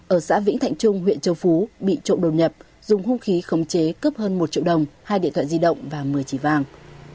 ở xã vĩnh thạnh trung huyện châu phú bị trộm đột nhập dùng hung khí khống chế cướp hơn một triệu đồng hai điện thoại di động và một mươi chỉ vàng